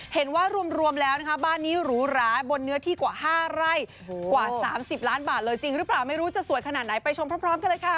เห็นว่ารวมแล้วนะคะบ้านนี้หรูหราบนเนื้อที่กว่า๕ไร่กว่า๓๐ล้านบาทเลยจริงหรือเปล่าไม่รู้จะสวยขนาดไหนไปชมพร้อมกันเลยค่ะ